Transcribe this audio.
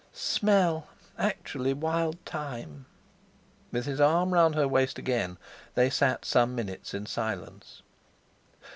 "Smell! Actually wild thyme!" With his arm round her waist again, they sat some minutes in silence.